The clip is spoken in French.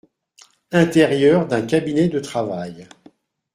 Intérieur d’un cabinet de travail.